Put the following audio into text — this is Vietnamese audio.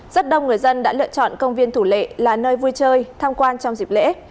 rất đông người dân đã lựa chọn công viên thủ lệ là nơi vui chơi tham quan trong dịp lễ